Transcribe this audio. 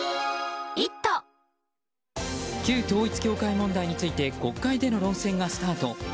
旧統一教会問題について国会での論戦がスタート。